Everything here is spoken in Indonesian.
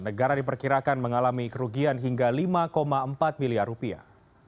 negara diperkirakan mengalami kerugian hingga lima empat miliar rupiah